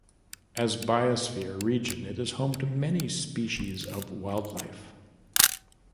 As Biosphere region it is home to many species of wildlife.